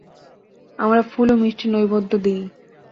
আমরা ফুল ও মিষ্টির নৈবেদ্য দিই।